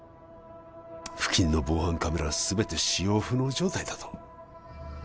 付近の防犯カメラは全て使用不能状態だと？